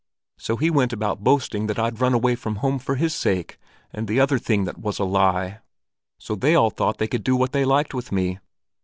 So he went about boasting that I'd run away from home for his sake, and the other thing that was a lie; so they all thought they could do what they liked with me.